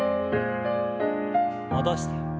戻して。